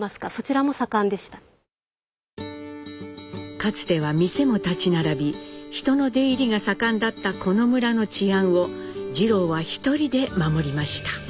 かつては店も立ち並び人の出入りが盛んだったこの村の治安を次郎は一人で守りました。